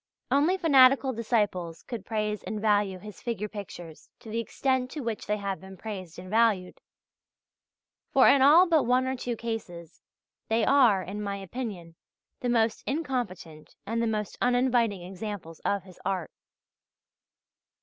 Only fanatical disciples could praise and value his figure pictures to the extent to which they have been praised and valued; for in all but one or two cases, they are, in my opinion, the most incompetent and the most uninviting examples of his art.